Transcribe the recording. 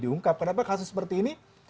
diungkap kenapa kasus seperti ini